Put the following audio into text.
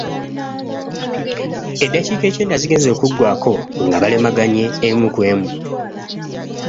Eddakiika ekyenda zigenze okuggwako nga balemaganye emu ku emu.